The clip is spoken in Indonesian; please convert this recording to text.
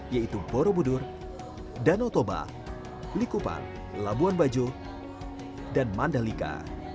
yaitu borobudur danotoba likupan labuan bajo dan mandalika